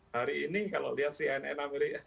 hari ini kalau lihat cnn amerika